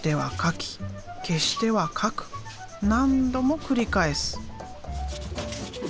何度も繰り返す。